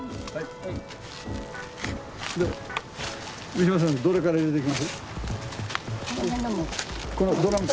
三島さんどれから入れていく？